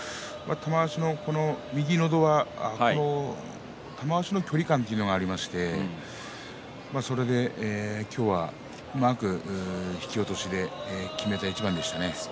右ののど輪玉鷲の距離感というのがありましてそれで今日はうまくいく引き落としできめた一番でしたね。